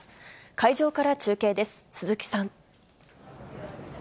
会場から中継です、鈴木さん。